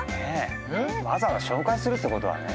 わざわざ紹介するってことはね。